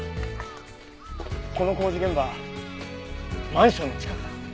この工事現場マンションの近くだ。